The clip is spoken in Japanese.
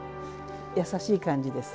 優しい感じです。